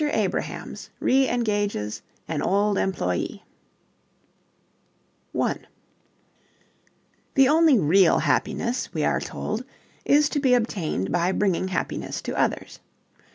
ABRAHAMS RE ENGAGES AN OLD EMPLOYEE 1 The only real happiness, we are told, is to be obtained by bringing happiness to others.